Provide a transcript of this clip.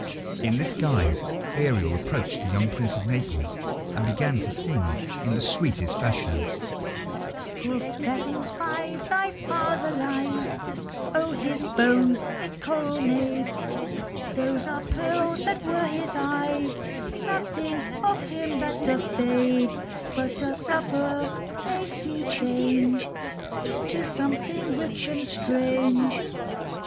In this guise Ariel approached the young Prince of Naples, and began to sing in the sweetest fashion: "Full fathom five thy father lies; Of his bones a'e coral made; Those are pearls that were his eyes: Nothing of him that doth fade, But doth suffer a sea change Into something rich and strange.